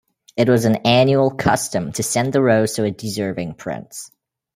It was an annual custom to send the rose to a deserving prince.